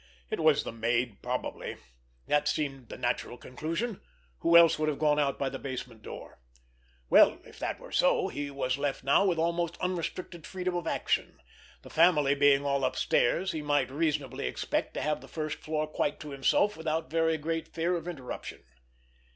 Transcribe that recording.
It was the maid probably. That seemed the natural conclusion. Who else would have gone out by the basement door? Well, if that were so, he was left now with almost unrestricted freedom of action; the family being all upstairs, he might reasonably expect to have the first floor quite to himself without very great fear of interruption.